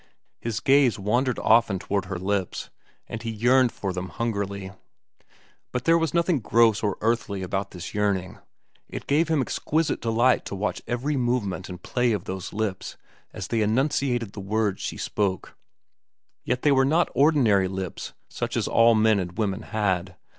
His gaze wandered often toward her lips, and he yearned for them hungrily. But there was nothing gross or earthly about this yearning. It gave him exquisite delight to watch every movement and play of those lips as they enunciated the words she spoke; yet they were not ordinary lips such as all men and women had.